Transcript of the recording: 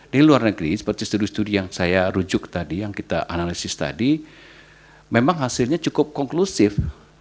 di luar negeri seperti studi studi yang saya rujuk tadi yang kita analisis tadi memang hasilnya cukup konklusif